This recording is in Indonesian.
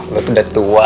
lo tuh udah tua